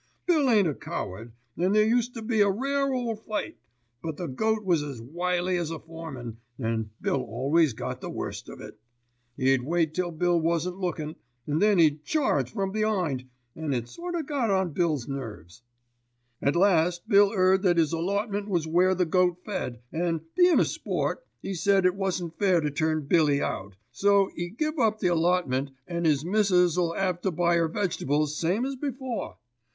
Bill ain't a coward, and there used to be a rare ole fight; but the goat was as wily as a foreman, an' Bill always got the worst of it. 'E'd wait till Bill wasn't lookin', and then 'e'd charge from be'ind, an' it sort o' got on Bill's nerves. "At last Bill 'eard that 'is allotment was where the goat fed, an', bein' a sport, 'e said it wasn't fair to turn Billy out, so 'e give up the allotment and 'is missus 'll 'ave to buy 'er vegetables same as before."